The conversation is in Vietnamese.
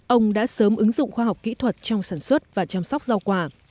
ông đã sớm ứng dụng khoa học kỹ thuật trong sản xuất và chăm sóc rau quả